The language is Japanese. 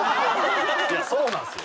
いやそうなんですよ。